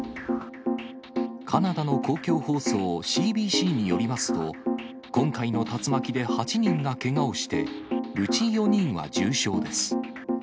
カナダの公共放送、ＣＢＣによりますと、今回の竜巻で８人がけがをして、うち４人は重傷です。